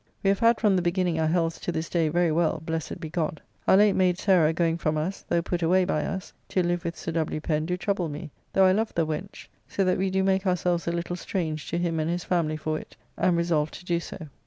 We have had from the beginning our healths to this day very well, blessed be God! Our late mayde Sarah going from us (though put away by us) to live with Sir W. Pen do trouble me, though I love the wench, so that we do make ourselves a little strange to him and his family for it, and resolve to do so.